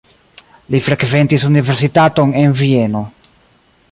Li frekventis universitaton en Vieno.